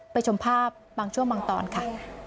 ชมภาพบางช่วงบางตอนค่ะ